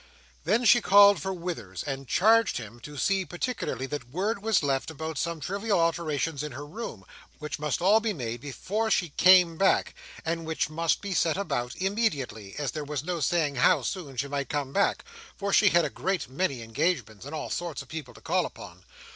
Then she called for Withers, and charged him to see particularly that word was left about some trivial alterations in her room, which must be all made before she came back, and which must be set about immediately, as there was no saying how soon she might come back; for she had a great many engagements, and all sorts of people to call upon.